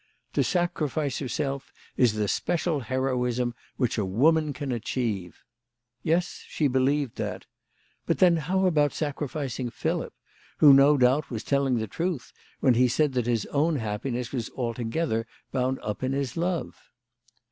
"To sacrifice herself is the special heroism which a woman can achieve." Yes, she believed that. But then, how about sacrificing Philip, who, no doubt, was telling the truth when he said that his own happiness was altogether bound up in his love